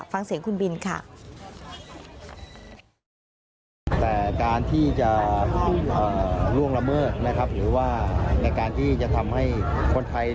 ฟังเสียงคุณบินค่ะ